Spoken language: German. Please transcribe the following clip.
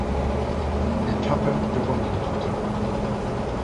Etappe gewonnen hatte.